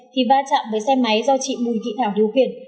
thì va chạm với xe máy do chị bùi thị thảo điều khiển